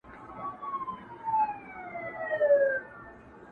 درد هېڅکله بشپړ نه ختمېږي تل.